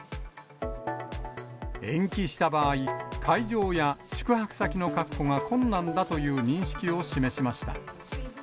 延期した場合、会場や宿泊先の確保が困難だという認識を示しました。